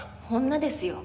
女ですよ。